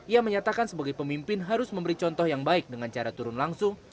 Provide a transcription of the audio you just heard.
ia menyatakan sebagai pemimpin harus memberi contoh yang baik dengan cara turun langsung